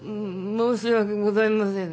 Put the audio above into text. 申し訳ございませぬ。